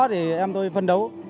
thì em tôi phân đấu